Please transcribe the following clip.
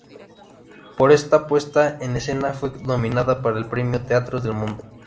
Por esta puesta en escena fue nominada para el premio Teatros del Mundo.